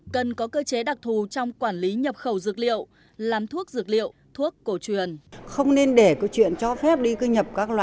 cần có cơ chế đặc thù trong quản lý nhập khẩu dược liệu làm thuốc dược liệu thuốc cổ truyền